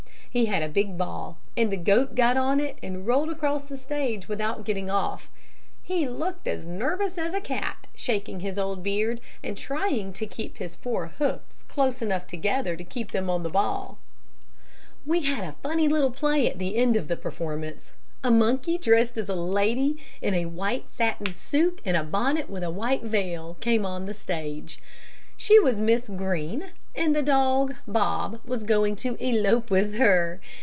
He had a big ball, and the goat got on it and rolled it across the stage without getting off. He looked as nervous as a cat, shaking his old beard, and trying to keep his four hoofs close enough together to keep him on the ball. "We had a funny little play at the end of the performance. A monkey dressed as a lady in a white satin suit and a bonnet with a white veil, came on the stage. She was Miss Green and the dog Bob was going to elope with her.